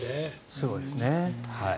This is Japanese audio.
すごいですね。